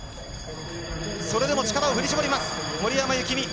それでも力を振り絞ります森山幸美。